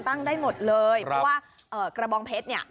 ตั้งได้หมดเลยเพราะว่ากระบองเพชรเนี่ย